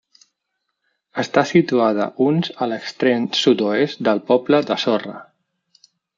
Està situada uns a l'extrem sud-oest del poble de Sorre.